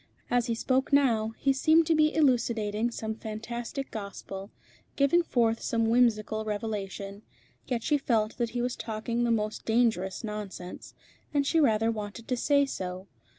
As he spoke now, he seemed to be elucidating some fantastic gospel, giving forth some whimsical revelation; yet she felt that he was talking the most dangerous nonsense, and she rather wanted to say so.